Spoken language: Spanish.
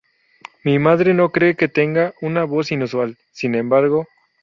Mi madre no cree que tenga una voz inusual, sin embargo.